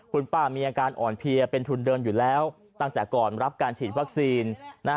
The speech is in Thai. คุณป้ามีอาการอ่อนเพลียเป็นทุนเดินอยู่แล้วตั้งแต่ก่อนรับการฉีดวัคซีน